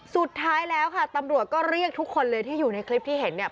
สุดท้ายแล้วค่ะตำรวจก็เรียกทุกคนเลยที่อยู่ในคลิปที่เห็นเนี่ย